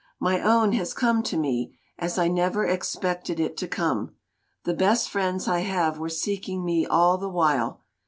My own has come to me, as I never expected it to come. The best friends I have were seeking me all the while.